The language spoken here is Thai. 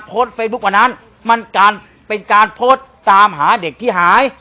โพสต์เฟซบุ๊ควันนั้นมันการเป็นการโพสต์ตามหาเด็กที่หาย